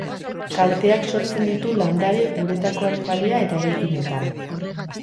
Kalteak sortzen ditu landare, uretako animalia eta eraikinetan.